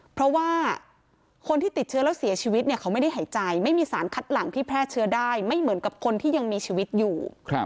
เพราะว่าคนที่ติดเชื้อแล้วเสียชีวิตเนี่ยเขาไม่ได้หายใจไม่มีสารคัดหลังที่แพร่เชื้อได้ไม่เหมือนกับคนที่ยังมีชีวิตอยู่